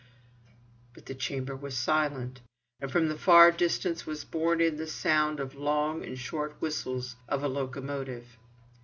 But the chamber was silent, and from the far distance was borne in the sound of the long and short whistles of a locomotive.